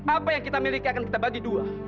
apa yang kita miliki akan kita bagi dua